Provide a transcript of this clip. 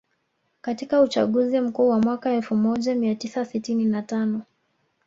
Katika uchaguzi Mkuu wa mwaka elfu moja mia tisa sitini na tano